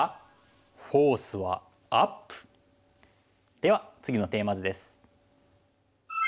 では次のテーマ図です。